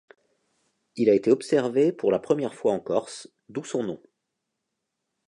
Il a été observé pour la première fois en Corse, d'où son nom.